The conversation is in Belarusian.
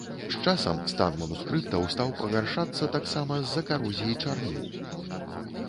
З часам стан манускрыптаў стаў пагаршацца таксама з-за карозіі чарніў.